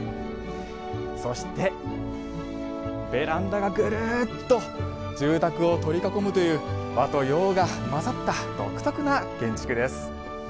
そして、ベランダがぐるっと住宅を取り囲むという和と洋が混ざった独特な建築です。